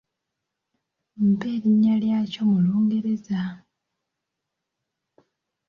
Mpa erinnya lya kyo mu Lungereza?